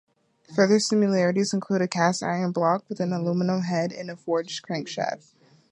Further similarities include a cast-iron block with an aluminium head and a forged crankshaft.